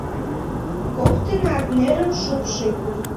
Коктынат нерым шупшыт.